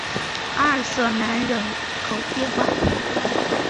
阿尔瑟南人口变化图示